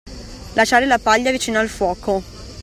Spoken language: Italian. Lasciare la paglia vicino al fuoco.